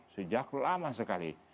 sejak lama sekali